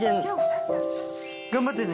頑張ってね！